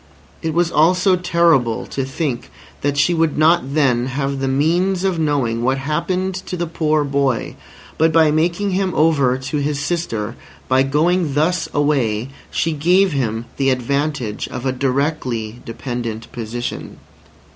It was also terrible to think that she would not then have the means of knowing what happened to the poor boy. But by making him over to his sister, by going thus away, she gave him the advantage of a directly dependent position.